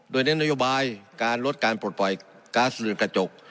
โดยเน้นนโยบายการลดการปลดปล่อยก๊าซเรือนกระจก